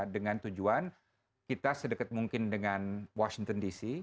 dengan tujuan kita sedekat mungkin dengan washington dc